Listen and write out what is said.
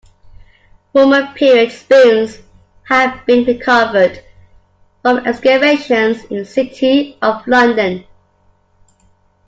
Roman period spoons have been recovered from excavations in the City of London.